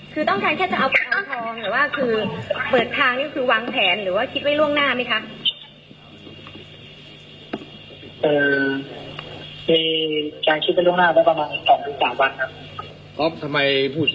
คุณต้องการแค่เอาแบบเท้าทองหรือว่าคิดไว้ล่วงหน้าไหมคะ